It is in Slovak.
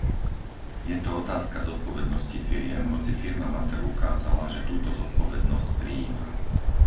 Je to otázka zodpovednosti firiem, hoci firma Mattel ukázala, že túto zodpovednosť prijíma.